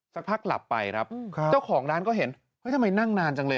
สักพักหลับไปครับเจ้าของร้านก็เห็นเฮ้ยทำไมนั่งนานจังเลย